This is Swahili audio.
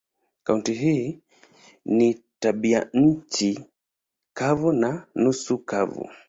Kaunti hii ina tabianchi kavu na nusu kavu.